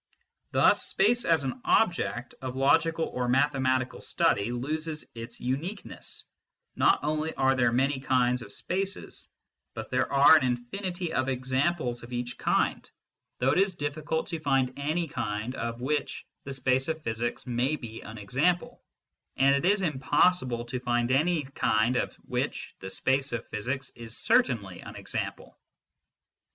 Thus space as an object of logical or mathematical study loses its uniqueness ; not only are there many kinds of spaces, but there are an infinity of examples of each kind, SCIENTIFIC METHOD IN PHILOSOPHY 115 though it is difficult to find any kind of which the space of physics may be an example, and it is impossible to find any kind of which the space of physics is certainly an example.